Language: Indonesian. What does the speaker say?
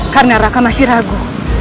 karena raka masih ragu